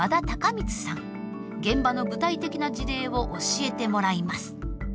現場の具体的な事例を教えてもらいます。